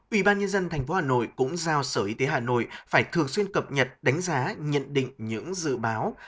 ủy ban nhân dân tp hà nội cũng giao sở y tế hà nội phải thường xuyên cập nhật đánh giá nhận định những dự báo